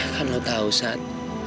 kan lo tahu sam